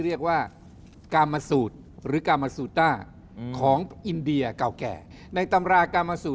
เรียกว่ากามสูตรหรือกามาซูต้าของอินเดียเก่าแก่ในตำรากามาสูต